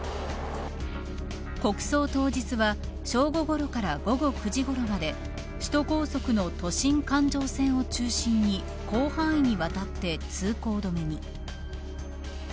国葬当日は正午ごろから午後９時ごろまで首都高速の都心環状線を中心に広範囲にわたって通行止めに。